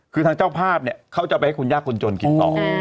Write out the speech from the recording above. คือทางเจ้าภาพเนี่ยเขาจะไปให้คุณยากคนจนกินต่อ